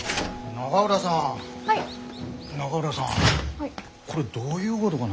永浦さんこれどういうごどがな？